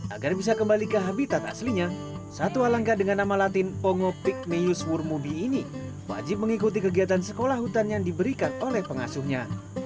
agar bisa kembali ke habitat aslinya satwa alangkah dengan nama latin pongo pigmeyus wurmubi ini wajib mengikuti kegiatan sekolah hutan yang diberikan oleh pengasuhnya